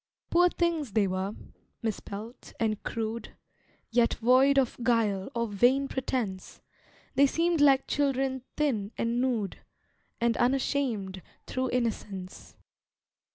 Poor things they were, misspelt and crude, Yet void of guile or vain pretence, They seemed like children thin and nude, And unashamed through innocence.